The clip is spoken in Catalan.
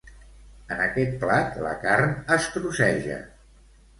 En aquest plat la carn es trosseja.